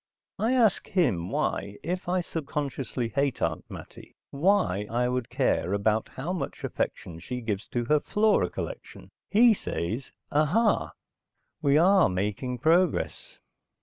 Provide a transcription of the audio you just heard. I ask him why, if I subconsciously hate Aunt Mattie, why I would care about how much affection she gives to her flora collection. He says, ahah! We are making progress.